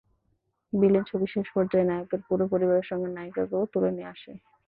Villain ছবির শেষ পর্যায়ে নায়কের পুরো পরিবারের সঙ্গে নায়িকাকেও তুলে নিয়ে আসে।